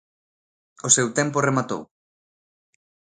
O seu tempo rematou.